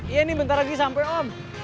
iya ini bentar lagi sampai om